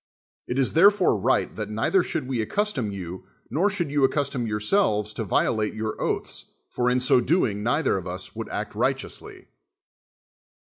It is therefore right that neither should we ac custom you, nor should you accustom yourselves to violate your oaths; for in so doing neither of us would act righteously.